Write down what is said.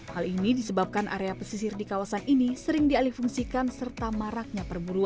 hal ini disebabkan area pesisir di kawasan ini sering dialih fungsikan serta maraknya perburuan